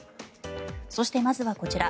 そして、まずはこちら。